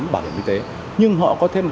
bảo hiểm y tế nhưng họ có thêm